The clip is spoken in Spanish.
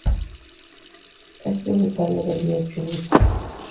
Es tributario del río Chubut.